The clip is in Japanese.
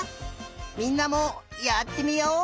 みんなもやってみよう！